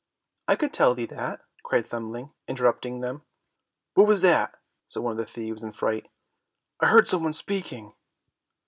"I could tell thee that," cried Thumbling, interrupting them. "What was that?" said one of the thieves in fright, "I heard some one speaking."